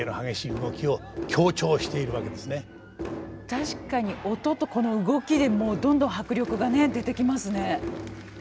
確かに音とこの動きでもうどんどん迫力がね出てきますね。